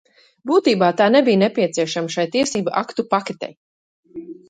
Būtībā tā nebija nepieciešama šai tiesību aktu paketei.